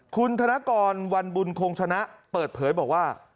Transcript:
คุณธนกรวันบุญคงชนะเปิดเผยบอกว่า